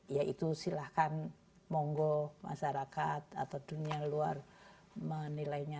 ya itu silahkan monggo masyarakat atau dunia luar menilainya